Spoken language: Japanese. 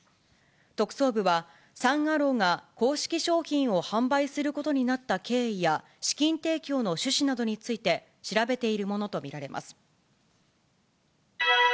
特捜部は、サン・アローが公式商品を販売することになった経緯や、資金提供の趣旨などについて調べているものと見られます。